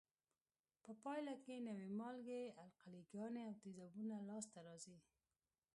په پایله کې نوې مالګې، القلي ګانې او تیزابونه لاس ته راځي.